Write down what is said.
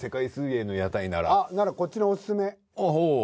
あっならこっちのおすすめよか？